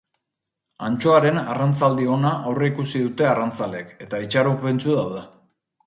Antxoaren arrantzaldi ona aurreikusi dute arrantzaleek, eta itxaropentsu daude.